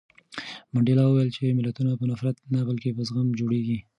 منډېلا وویل چې ملتونه په نفرت نه بلکې په زغم جوړېږي.